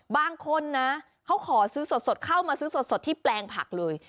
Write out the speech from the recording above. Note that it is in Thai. บางคนนะเขาขอซื้อสดเข้ามาซื้อสดที่แปลงผักเลย